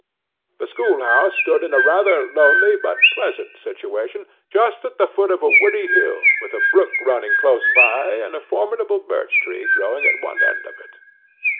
The schoolhouse stood in a rather lonely but pleasant situation, just at the foot of a woody hill, with a brook running close by, and a formidable birch tree growing at one end of it.